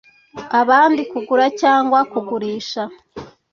abandi kugura cyangwa kugurisha